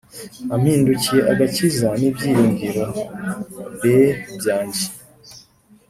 ampindukiye agakiza nibyiringiro bbyanjye.